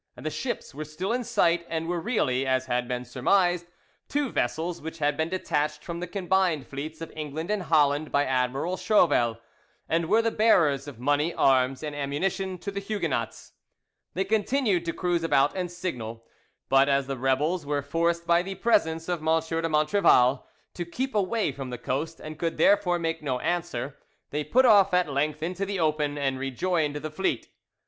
The ships were still in sight, and were really, as had been surmised, two vessels which had been detached from the combined fleets of England and Holland by Admiral Schowel, and were the bearers of money, arms, and ammunition to the Huguenots. They continued to cruise about and signal, but as the rebels were forced by the presence of M. de Montrevel to keep away from the coast, and could therefore make no answer, they put off at length into the open, and rejoined the fleet.